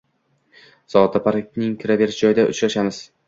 - Soat da parkning kiraverish joyida uchrashamiz.